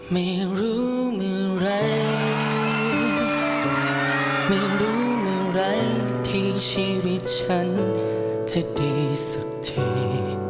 ไม่รู้เมื่อไหร่ไม่รู้เมื่อไหร่ที่ชีวิตฉันจะดีสักที